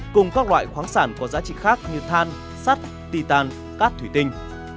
cùng các loại khoáng sản có giá trị khác như than sắt tỳ tan cát thủy tinh